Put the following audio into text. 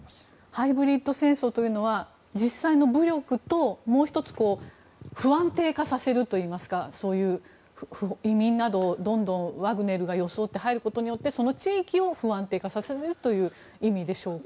ハイブリッド戦争というのは実際の武力ともう１つ不安定化させるといいますかそういう移民などをどんどんワグネルが装って入ることによってその地域を不安定化させるという意味でしょうか。